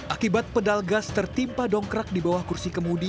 akibat pedal gas tertimpa dongkrak di bawah kursi kemudi